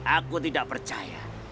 aku tidak percaya